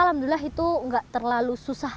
alhamdulillah itu nggak terlalu susah